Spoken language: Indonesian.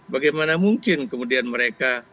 bagaimana mungkin kemudian mereka